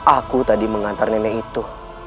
aku tadi mengantar nenek itu